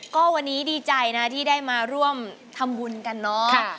ก็วันนี้ดีใจนะที่ได้มาร่วมทำบุญกันเนาะ